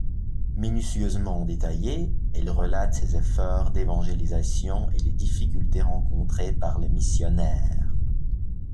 Minutieusement détaillées, elles relatent les efforts d'évangélisation et les difficultés rencontrées par les missionnaires.